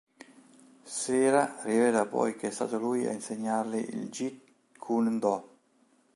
Sera rivela poi che è stato lui a insegnarle il Jeet Kune Do.